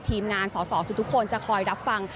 ทีมงานสอสอทุกคนจะคอยรับฟัง